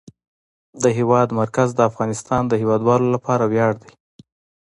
د هېواد مرکز د افغانستان د هیوادوالو لپاره ویاړ دی.